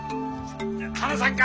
離さんか！